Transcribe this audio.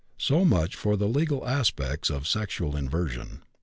So much for the legal aspects of sexual inversion.